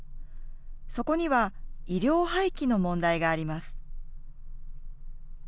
そこには衣料廃棄の問題があります。